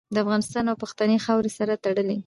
د افغانستان او پښتنې خاورې سره تړلې